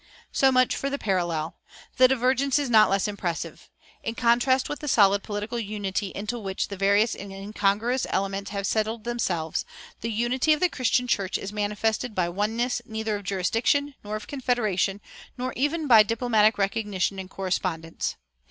So much for the parallel. The divergence is not less impressive. In contrast with the solid political unity into which the various and incongruous elements have settled themselves, the unity of the Christian church is manifested by oneness neither of jurisdiction nor of confederation, nor even by diplomatic recognition and correspondence.